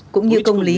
cũng như công lý